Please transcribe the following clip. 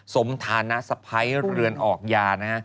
สมธารณสะพะเรือนออกยานะ